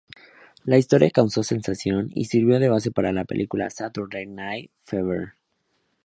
La historia causó sensación y sirvió de base para la película "Saturday night fever".